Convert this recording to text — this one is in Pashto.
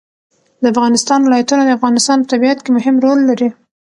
د افغانستان ولايتونه د افغانستان په طبیعت کې مهم رول لري.